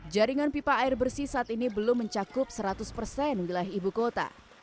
jaringan pipa air bersih saat ini belum mencakup seratus persen wilayah ibu kota